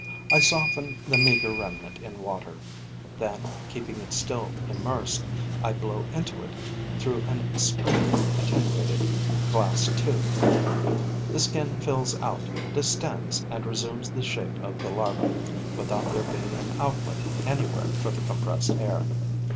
I soften the meager remnant in water; then, keeping it still immersed, I blow into it through an extremely attenuated glass tube. The skin fills out, distends and resumes the shape of the larva, without there being an outlet anywhere for the compressed air.